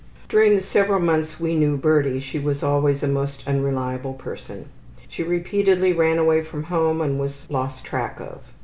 During the several months we knew Birdie she was always a most unreliable person. She repeatedly ran away from home and was lost track of.